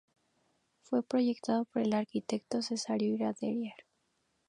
Fue proyectado por el arquitecto Cesáreo Iradier.